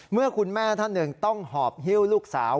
เมื่อคุณแม่ท่านหนึ่งต้องหอบฮิ้วลูกสาว